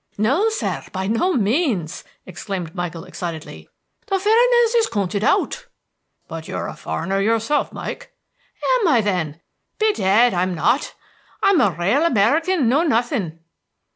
"No, sir! by no means!" exclaimed Michael excitedly. "The furreners is counted out!" "But you're a foreigner yourself, Mike." "Am I, then? Bedad, I'm not! I'm a rale American Know Nothing."